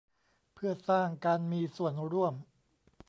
เพื่อสร้างการมีส่วนร่วม